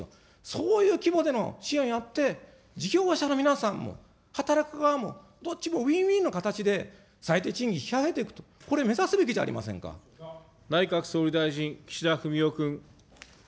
そういう規模での支援をやって、事業者の皆さんも働く側も、どっちもウィンウィンの形で最低賃金引き上げていくと、これ、目内閣総理大臣、岸田文雄君。